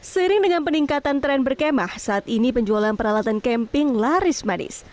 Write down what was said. seiring dengan peningkatan tren berkemah saat ini penjualan peralatan camping laris manis